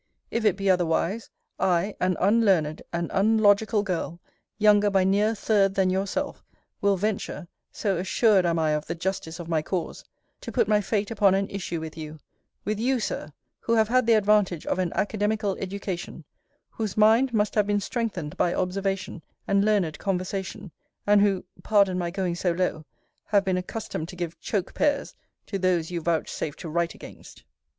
If it be otherwise, I, an unlearned, an unlogical girl, younger by near a third than yourself, will venture (so assured am I of the justice of my cause) to put my fate upon an issue with you: with you, Sir, who have had the advantage of an academical education; whose mind must have been strengthened by observation, and learned conversation, and who, pardon my going so low, have been accustomed to give choke pears to those you vouchsafe to write against.